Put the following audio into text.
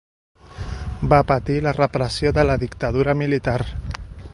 Va patir la repressió de la dictadura militar.